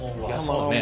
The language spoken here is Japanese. そうね